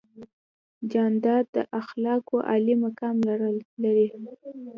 جانداد د اخلاقو عالي مقام لري.